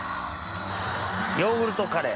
ヨーグルトカレー。